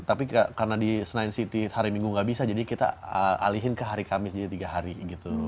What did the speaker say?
tapi karena di senain city hari minggu nggak bisa jadi kita alihin ke hari kamis jadi tiga hari gitu